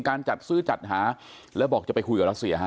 จัดซื้อจัดหาแล้วบอกจะไปคุยกับรัสเซียฮ